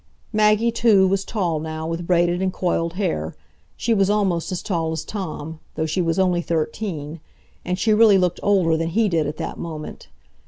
Maggie, too, was tall now, with braided and coiled hair; she was almost as tall as Tom, though she was only thirteen; and she really looked older than he did at that moment.